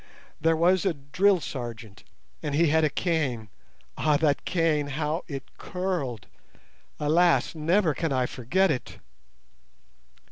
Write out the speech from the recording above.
There was a drill sergeant, and he had a cane. Ah, that cane, how it curled! Alas, never can I forget it!